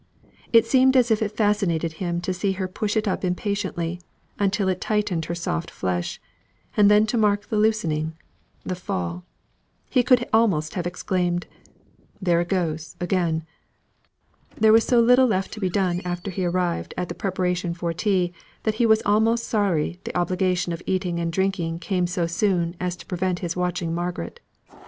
It seemed as if it fascinated him to see her push it up impatiently until it tightened her soft flesh; and then to mark the loosening the fall. He could almost have exclaimed "There it goes again!" There was so little left to be done after he arrived at the preparation for tea, that he was almost sorry the obligation of eating and drinking came so soon to prevent him watching Margaret.